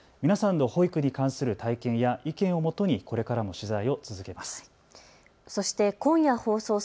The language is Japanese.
皆さんの保育に関する体験や意見をもとにこれからも取材を続けます。